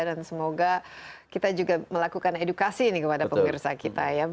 dan semoga kita juga melakukan edukasi ini kepada pengirsa kita ya